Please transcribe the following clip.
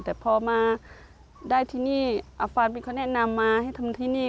แต่พอมาได้ที่นี่อาฟานเป็นคนแนะนำมาให้ทำที่นี่